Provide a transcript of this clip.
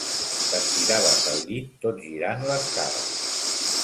T'estiraves al llit tot girant les cares.